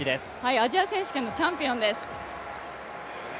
アジア選手権のチャンピオンです。